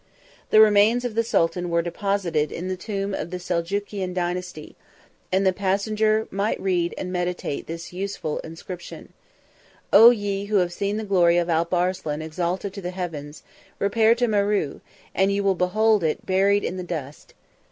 The remains of the sultan were deposited in the tomb of the Seljukian dynasty; and the passenger might read and meditate this useful inscription: 40 "O ye who have seen the glory of Alp Arslan exalted to the heavens, repair to Maru, and you will behold it buried in the dust."